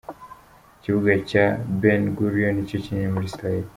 Ikibuga cya Ben Gurion ni cyo kinini muri Israël.